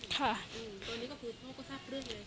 ค่ะตอนนี้ก็คือพ่อก็ทราบเรื่องเลย